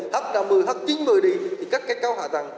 h năm mươi h chín mươi đi thì các cái cao hạ tăng